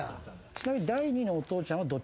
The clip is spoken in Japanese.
ちなみに。